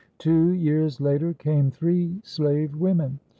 Two years later came three slave women.